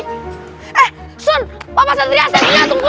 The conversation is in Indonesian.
eh sun papa satria saya punya tungguin